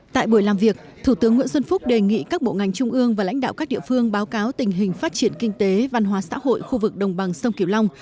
tại buổi làm việc thủ tướng nguyễn xuân phúc đề nghị các bộ ngành trung ương và lãnh đạo các địa phương báo cáo tình hình phát triển kinh tế văn hóa xã hội khu vực đồng bằng sông kiều long